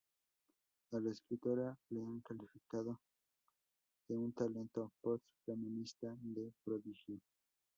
A la escritora la han calificado de ‘un talento post-feminista de prodigio’.